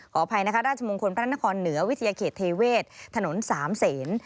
อภัยนะคะราชมงคลพระนครเหนือวิทยาเขตเทเวศถนนสามเศษ